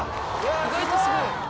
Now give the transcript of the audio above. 意外とすごい。